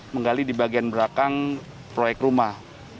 menggali di bagian belakang proyek rumah